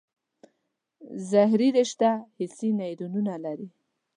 ظهري رشته حسي نیورونونه لري.